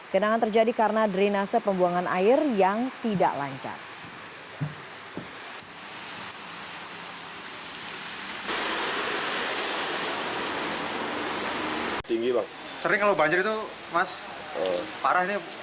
genangan terjadi karena drenase pembuangan air yang tidak lancar